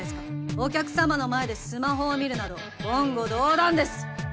お客様の前でスマホを見るなど言語道断です